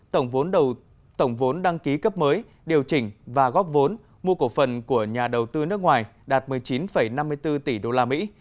tổng vốn đăng ký cấp mới điều chỉnh và góp vốn mua cổ phần của nhà đầu tư nước ngoài đạt một mươi chín năm mươi bốn tỷ đô la mỹ